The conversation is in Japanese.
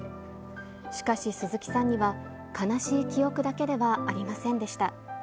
しかし、鈴木さんには悲しい記憶だけではありませんでした。